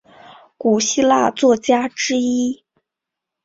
古希腊作家之一。